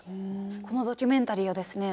このドキュメンタリーはですね